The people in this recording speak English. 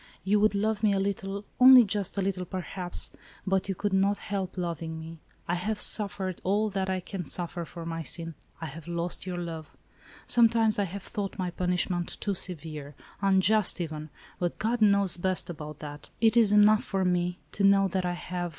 You would love me a little, only just a little, perhaps, but you could not help loving me. I *have suffered all that I can suffer for my sin, — I have lost your love. Sometimes I have thought my punishment too severe, unjust even, but God knows best about that. It is enough for me, to know that I have 80 ALICE; OR, THE WAGES OF SIN.